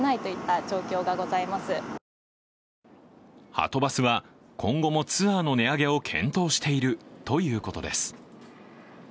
はとバスは今後もツアーの値上げを検討しているということです。